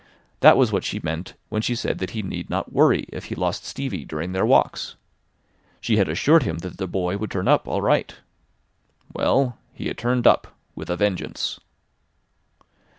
That was what she meant when she said that he need not worry if he lost Stevie during their walks. She had assured him that the boy would turn up all right. Well, he had turned up with a vengeance!